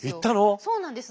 そうなんです。